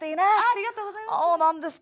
ありがとうございます。